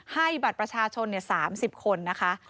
ให้บัตรประชาชน๓๐คนนะคะ